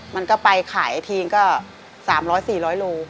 มันก็ไปขายทีนึงก็๓๐๐๔๐๐โล